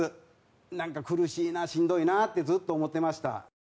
なんか苦しいな、しんどいなって、ずっと思ってました。